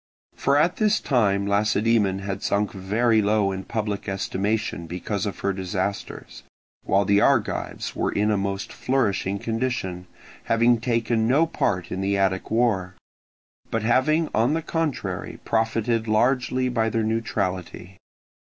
For at this time Lacedaemon had sunk very low in public estimation because of her disasters, while the Argives were in a most flourishing condition, having taken no part in the Attic war, but having on the contrary profited largely by their neutrality.